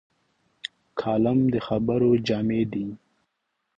قلم د خبرو جامې دي